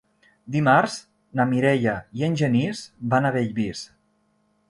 Dimarts na Mireia i en Genís van a Bellvís.